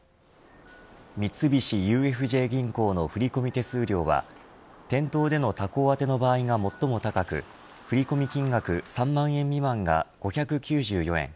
三菱ＵＦＪ銀行の振り込み手数料は店頭での他行宛ての場合が最も高く振り込み金額３万円未満が５９４円